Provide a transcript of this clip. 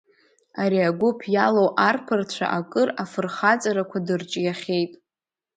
Ари агәыԥ иалоу арԥарцәа акыр афырхаҵарақәа дырҿиахьеит.